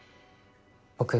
僕